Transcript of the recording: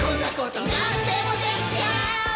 「なんでもできちゃう」